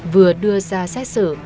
vừa đưa ra xét xử